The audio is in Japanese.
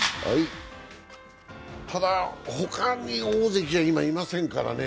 ただ、他に大関が今、いませんからねえ。